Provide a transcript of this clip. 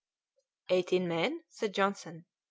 "Eighteen men?" said Johnson.